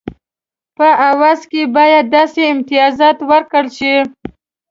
په عوض کې باید داسې امتیازات ورکړل شي.